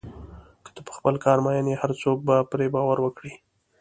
که ته په خپل کار مین وې، هر څوک به پرې باور وکړي.